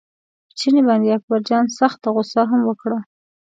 په چیني باندې اکبرجان سخته غوسه هم وکړه.